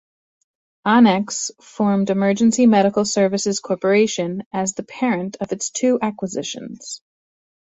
Onex formed Emergency Medical Services Corporation as the parent of its two acquisitions.